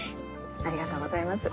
ありがとうございます。